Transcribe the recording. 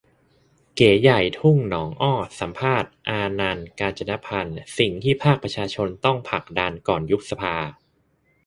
เก๋ใหญ่ ทุ่งหนองอ้อ สัมภาษณ์ อานันท์ กาญจนพันธุ์ :"สิ่งที่ภาคประชาชนต้องผลักดันก่อนยุบสภา"